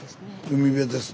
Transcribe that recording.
海辺です。